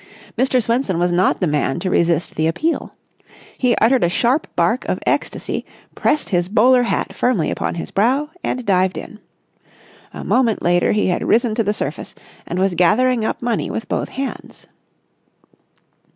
Mr. Swenson was not the man to resist the appeal. He uttered a sharp bark of ecstasy, pressed his bowler hat firmly upon his brow, and dived in. A moment later he had risen to the surface, and was gathering up money with both hands.